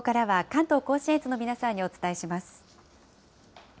関東甲信越の皆さんにお伝えします。